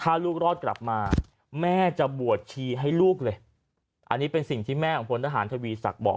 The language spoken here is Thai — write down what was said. ถ้าลูกรอดกลับมาแม่จะบวชชีให้ลูกเลยอันนี้เป็นสิ่งที่แม่ของพลทหารทวีศักดิ์บอก